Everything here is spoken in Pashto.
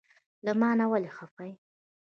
له مانه ولې خفه یی؟